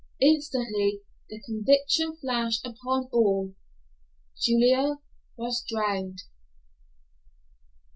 Instantly the conviction flashed upon all—Julia was drowned!